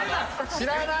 知らない！